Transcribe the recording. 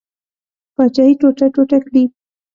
پاچهي ټوټه ټوټه کړي.